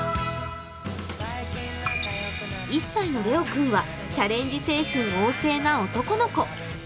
１歳のレオ君はチャレンジ精神旺盛な男の子。